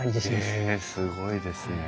へえすごいですね。